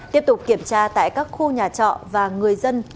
tiếp tục kiểm tra tại các khu nhà trọ và người dân